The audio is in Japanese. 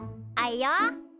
あいよ。